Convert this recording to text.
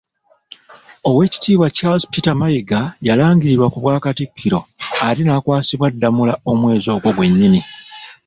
Oweekitiibwa Charles Peter Mayiga yalangirirwa ku Bwakatikkiro ate n'akwasibwa Ddamula omwezi ogwo gwennyini.